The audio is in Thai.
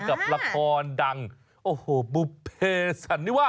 กับละครดังโอ้โหบุเพสันนิวา